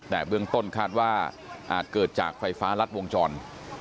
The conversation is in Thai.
แต่เบื้องต้นคาดว่าอาจเกิดจากไฟฟ้ารัดวงจร